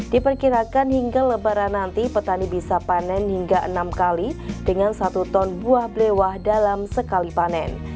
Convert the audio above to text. diperkirakan hingga lebaran nanti petani bisa panen hingga enam kali dengan satu ton buah blewah dalam sekali panen